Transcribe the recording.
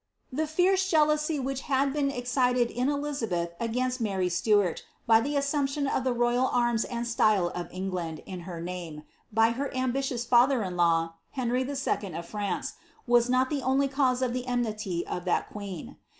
* ierce jealousy which had been excited in Elizabeth against Mary y the assumption of the royal arms and style of England in her y her ambitious father in law, Henry II. of France, was not the jse of the enmity of that queen.